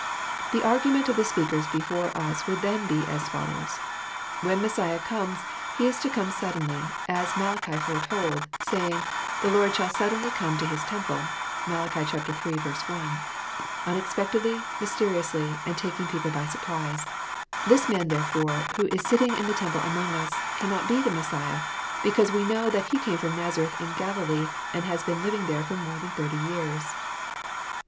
— The argament of the spealcers before as woald then be as follows :— 'f When Messiah comes, He is to come suddenly, as Malachi foretold, saying, * the Lord shall suddenly come to His temple,' (Mai. iii. 1,) unexpectedly, mysteriously, and taking people by surprise. This man therefore, who is sitting in the temple among us, cannot be the Messiah, because we know that He came from Nazareth in Galilee, and has been living there for more than thirty years